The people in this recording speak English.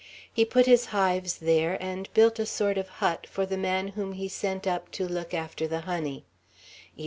He put his hives there, and built a sort of hut for the man whom he sent up to look after the honey.